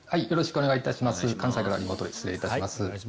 関西からリモートで失礼いたします。